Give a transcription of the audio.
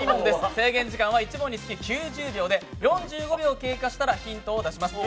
制限時間は１問につき９０秒で４５秒経過したらヒントを表示します